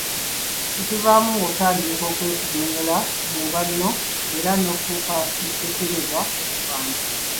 Ekivaamu ng'otandika kwetigoonyolera mu banno, era n'ofuuka ekisekererwa mu bantu.